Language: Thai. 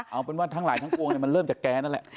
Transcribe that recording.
เอาเป็นว่าทั้งหลายทั้งปวงมันเริ่มจากแกนั่นแหละ